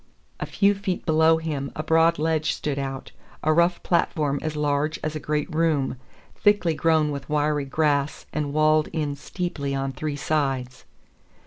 A few feet below him a broad ledge stood out, a rough platform as large as a great room, thickly grown with wiry grass and walled in steeply on three sides.